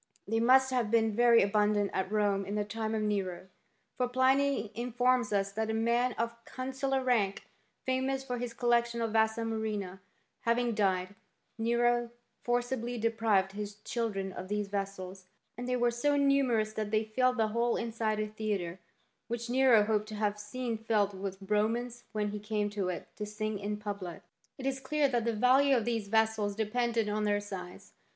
* They must have been very abundant at Rome in the time of Nero ; for Pliny informs us that a man of consular rank, famous for his collection of vasa murrhina, having died, Nero forcibly deprived his children of these vessels, and they were so numerous that they filled the whole inside of a theatre, which Nero hoped to have seen .filled with Romans when he came to it to sing in public. * It is clear that the value of these vessels depended on their size.